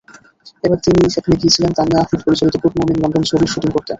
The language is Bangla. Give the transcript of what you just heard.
এবার তিনি সেখানে গিয়েছিলেন তানিয়া আহমেদ পরিচালিত গুডমর্নিং লন্ডন ছবির শুটিং করতে।